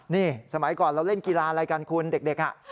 นี่สมัยก่อนเราเล่นกีฬาอะไรกันคุณเด็กอ่ะ